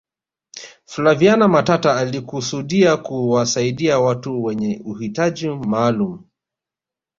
flaviana matata alikusudia kuwasaidia watu wenye uhitaji maalum